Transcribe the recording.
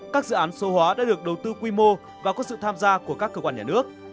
các dự án số hóa đã được đầu tư quy mô và có sự tham gia của các cơ quan nhà nước